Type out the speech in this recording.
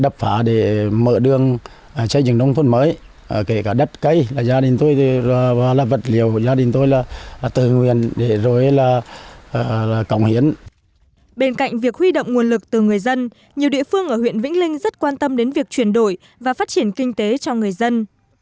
bên cạnh việc huy động nguồn lực từ người dân nhiều địa phương ở huyện vĩnh linh rất quan tâm đến việc chuyển đổi và phát triển kinh tế cho người dân